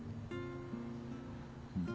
うん。